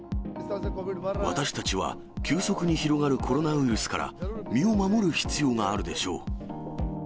私たちは急速に広がるコロナウイルスから身を守る必要があるでしょう。